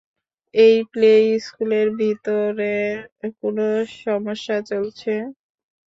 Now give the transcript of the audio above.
এই প্লে স্কুলের ভিতরে কোনো সমস্যা চলছে?